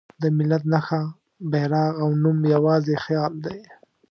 د ملت نښه، بیرغ او نوم یواځې خیال دی.